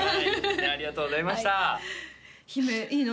ありがとうございました姫いいの？